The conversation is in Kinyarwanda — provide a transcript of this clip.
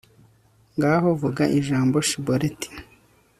ngaho vuga ijambo shiboleti